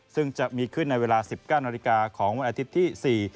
ซึ่งจะมีขึ้นในเวลา๑๙นาฬิกาของวันอาทิตย์ที่๔